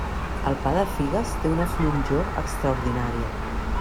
El pa de figues té una flonjor extraordinària.